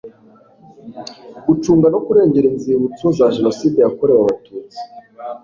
gucunga no kurengera inzibutso za jenoside yakorewe abatutsi